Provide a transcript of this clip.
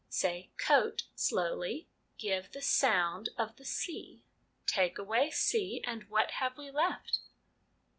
Say ' coat ' slowly ; give the sound of the c. ' Take away c, and what have we left